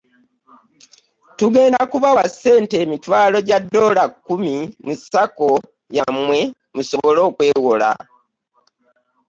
Tugenda kubawa ssente emitwalo gya ddoola kkumi mu SACCO yammwe musobole okwewola